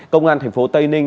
công an tp tây ninh